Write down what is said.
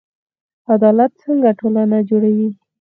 عدالت څنګه ټولنه جوړوي؟